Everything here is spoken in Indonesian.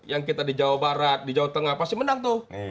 yang kita di jawa barat di jawa tengah pasti menang tuh